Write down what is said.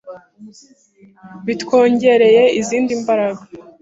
bitwongereye izindi mberege